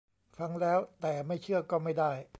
ฟังแล้ว แต่ไม่เชื่อ ก็ไม่ได้